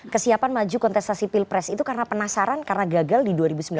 kesiapan maju kontestasi pilpres itu karena penasaran karena gagal di dua ribu sembilan belas